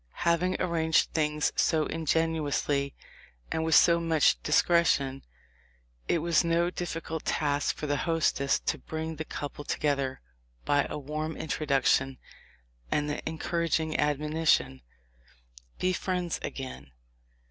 Having arranged things so ingeniously and with so much discretion, it was no difficult task for the hostess to bring the couple together by a warm THE LIFE OF LINCOLN. 227 introduction and the encouraging admonition, "Be friends again."